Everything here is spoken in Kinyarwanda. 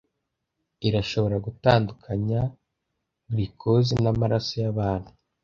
irashobora gutandukanya glucose namaraso yabantu